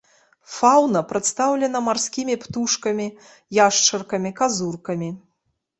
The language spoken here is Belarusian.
Фаўна прадстаўлена марскімі птушкамі, яшчаркамі, казуркамі.